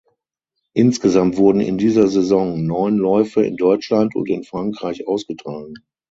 Insgesamt wurden in dieser Saison neun Läufe in Deutschland und in Frankreich ausgetragen.